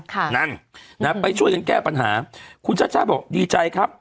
นั่นนะฮะไปช่วยกันแก้ปัญหาคุณชาติชาติบอกดีใจครับ